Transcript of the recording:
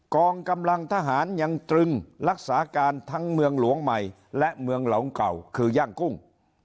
กองกำลังทหารยังตรึงรักษาการทั้งเมืองหลวงใหม่และเมืองเหลาเก่าคือย่างกุ้ง